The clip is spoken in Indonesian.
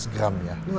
lima belas gram ya